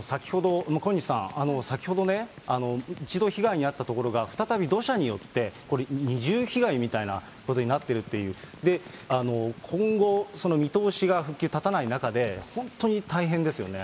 先ほど、小西さん、先ほどね、一度被害に遭った所が再び土砂によって、これ、二重被害みたいなことになってるっていう、今後、その見通しが、復旧立たない中で、本当に大変ですよね。